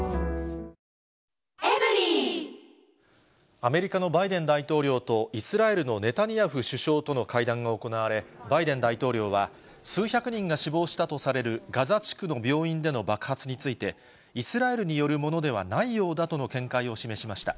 アメリカのバイデン大統領とイスラエルのネタニヤフ首相との会談が行われ、バイデン大統領は、数百人が死亡したとされるガザ地区の病院での爆発について、イスラエルによるものではないようだとの見解を示しました。